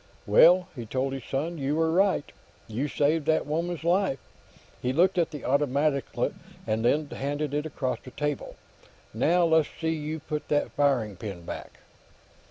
"Well," he told his son, "you were right. You saved that woman's life." He looked at the automatic, and then handed it across the table. "Now, let's see you put that firing pin back."